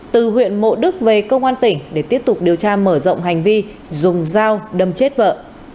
từ huyện mộ đức về công an tỉnh để tiếp tục điều tra mở rộng hành vi dùng dao đâm chết vợ